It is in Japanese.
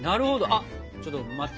あっちょっと待って。